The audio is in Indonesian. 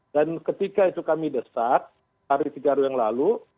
dan ketika itu kami desak hari tiga yang lalu